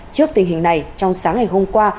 trước tình hình này trong sáng ngày hôm qua